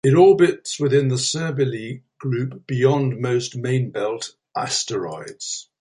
It orbits within the Cybele Group, beyond most main-belt asteroids.